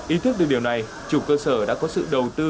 ý thức được điều này chủ cơ sở đã có sự đầu tư